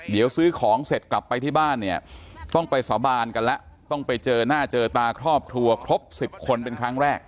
เดี๋ยวซื้อของเสร็จกลับไปที่บ้านเนี่ยต้องไปสาบานกันแล้วต้องไปเจอหน้าเจอตาครอบครัวครบ๑๐คนเป็นครั้งแรก